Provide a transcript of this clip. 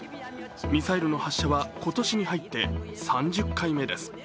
ミサイルの発射は今年に入って３０回目です。